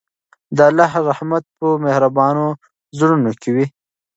د الله رحمت په مهربانو زړونو کې وي.